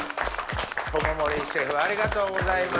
友森シェフありがとうございます。